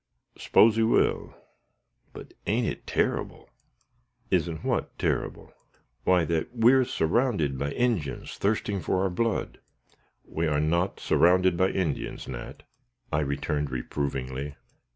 "Suppose he will; but ain't it terrible?" "Isn't what terrible?" "Why, that we're surrounded by Injins, thirsting for our blood!" "We are not surrounded by Indians, Nat," I returned, reprovingly.